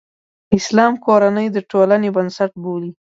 اسلام کورنۍ د ټولنې بنسټ بولي.